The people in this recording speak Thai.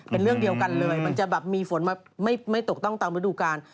เป็นเรื่องเดียวกันเลยมันจะแบบมีฝนมาไม่ตกต้องตามฤดูกาล